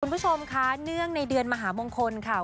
คุณผู้ชมคะเนื่องในเดือนมหามงคลค่ะ